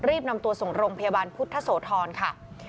นำตัวส่งโรงพยาบาลพุทธโสธรค่ะ